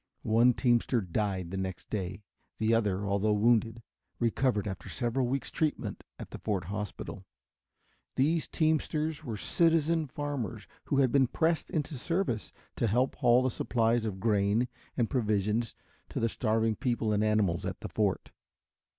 One teamster died the next day; the other, although wounded, recovered after several weeks treatment at the fort hospital. These teamsters were citizen farmers who had been pressed into service to help haul the supplies of grain and provisions to the starving people and animals at the fort.